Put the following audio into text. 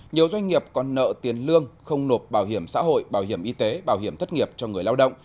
nhiều doanh nghiệp còn nợ tiền lương không nộp bảo hiểm xã hội bảo hiểm y tế bảo hiểm thất nghiệp cho người lao động